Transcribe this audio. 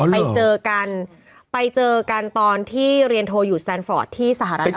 ไปเจอกันไปเจอกันตอนที่เรียนโทรอยู่สแตนฟอร์ตที่สหรัฐอเม